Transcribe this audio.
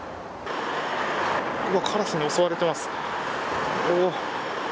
今カラスに襲われてます。